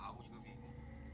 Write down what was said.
aku juga bingung